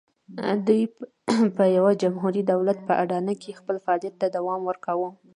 دوی په یوه جمهوري دولت په اډانه کې خپل فعالیت ته دوام ورکاوه.